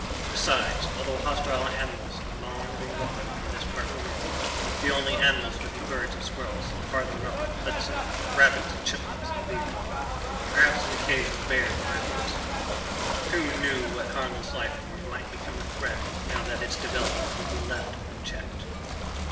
Besides, although hostile animals had long been gone from this part of the world the only animals would be birds and squirrels and, farther up the Hudson, rabbits and chipmunks and deer ... perhaps an occasional bear in the mountains who knew what harmless life form might become a threat now that its development would be left unchecked?